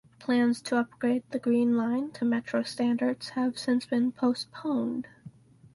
Plans to upgrade the Green Line to Metro standards have since been postponed.